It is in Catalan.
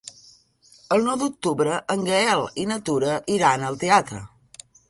El nou d'octubre en Gaël i na Tura iran al teatre.